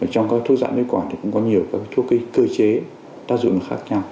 trong các thuốc giảm viết quả thì cũng có nhiều các thuốc cơ chế tác dụng khác nhau